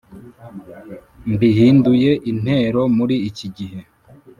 Mbihinduye intero muri ikigihe